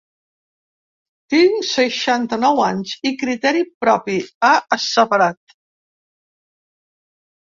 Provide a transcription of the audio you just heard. Tinc seixanta-nou anys i criteri propi, ha asseverat.